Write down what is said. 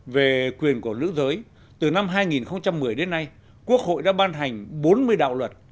về quyền của nữ giới từ năm hai nghìn một mươi đến nay quốc hội đã ban hành bốn mươi đạo luật